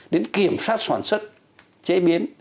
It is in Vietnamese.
đến kiểm soát soản xuất chế biến